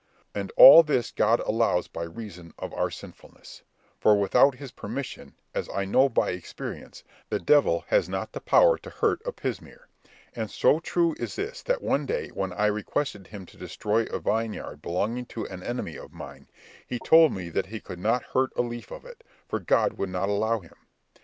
And all this God allows by reason of our sinfulness; for without his permission, as I know by experience, the devil has not the power to hurt a pismire; and so true is this, that one day when I requested him to destroy a vineyard belonging to an enemy of mine, he told me that he could not hurt a leaf of it, for God would not allow him.